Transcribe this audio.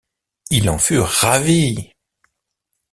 il en fut ravi